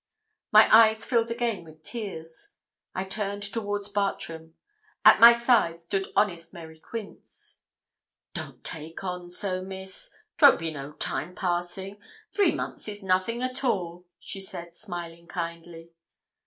My eyes filled again with tears. I turned towards Bartram. At my side stood honest Mary Quince. 'Don't take on so, Miss; 'twon't be no time passing; three months is nothing at all,' she said, smiling kindly.